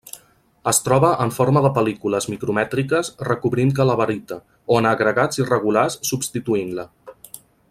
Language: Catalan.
Es troba en forma de pel·lícules micromètriques recobrint calaverita, o en agregats irregulars substituint-la.